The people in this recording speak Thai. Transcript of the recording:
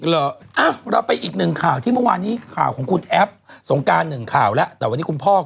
เออแล้วไปอีกหนึ่งข่าวที่๒๐๒๐ข่าวของขุนแอป